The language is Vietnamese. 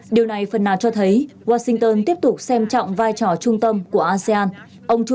điều này phần nào cho thấy washington tiếp tục xem trọng vai trò trung tâm của asean ông chủ